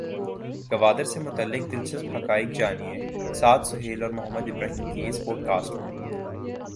گوادر سے متعلق دلچسپ حقائق جانیے سعد سہیل اور محمد ابراہیم کی اس پوڈکاسٹ میں۔